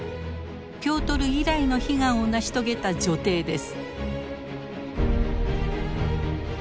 ピョートル以来の悲願を成し遂げた女帝です。